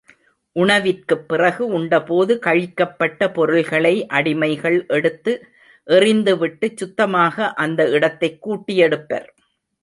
உணவிற்குப் பிறகு உண்டபோது கழிக்கப்பட்ட பொருள்களை அடிமைகள் எடுத்து எறிந்துவிட்டுச் சுத்தமாக அந்த இடத்தைக் கூட்டி எடுப்பர்.